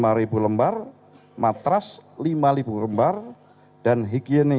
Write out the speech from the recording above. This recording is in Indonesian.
bantuan tersebut sudah terdistribusi ke enam belas kecamatan di kabupaten cianjur